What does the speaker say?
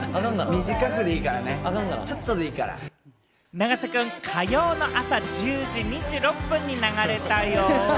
永瀬君、火曜の朝１０時２６分に流たよ。